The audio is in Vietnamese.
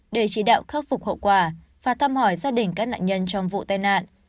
để chỉ đạo khắc phục hậu quả và thăm hỏi gia đình các nạn nhân trong vụ tai nạn